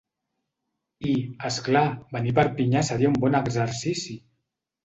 I, és clar, venir a Perpinyà seria un bon exercici!